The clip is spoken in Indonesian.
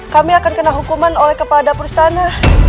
kami akan kena hukuman oleh kepala dapur stana